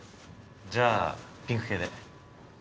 じゃあピンク系で。